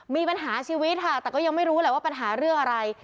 มีปัญหาชีวิตค่ะแต่ก็ยังไม่รู้แหละว่าปัญหาเรื่องอะไร